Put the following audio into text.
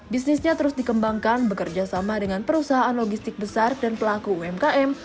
bisnisnya terus dikembangkan bekerja sama dengan perusahaan logistik besar dan pelaku umkm